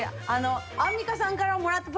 アンミカさんからもらった今夜の。